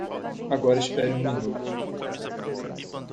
Agora espere um minuto!